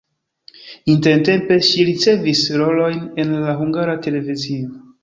Intertempe ŝi ricevis rolojn en la Hungara Televizio.